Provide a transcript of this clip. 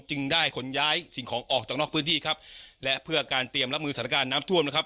จึงได้ขนย้ายสิ่งของออกจากนอกพื้นที่ครับและเพื่อการเตรียมรับมือสถานการณ์น้ำท่วมนะครับ